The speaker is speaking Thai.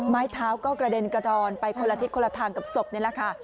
ไม้เท้าก็กระเด็นกระดอนไปคนละทิศคนละทางกับศพนี่แหละค่ะ